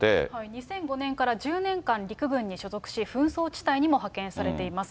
２００５年から１０年間、陸軍に所属し、紛争地帯にも派遣されています。